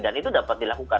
dan itu dapat dilakukan